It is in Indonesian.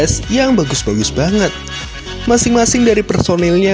sampai jumpa di video selanjutnya